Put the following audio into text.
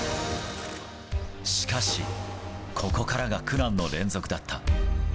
しかし、ここからが苦難の連続だった。